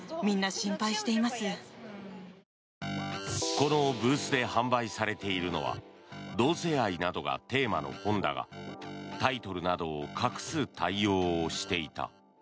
このブースで販売されているのは同性愛などがテーマの本だがタイトルなどを隠す対応をしていた。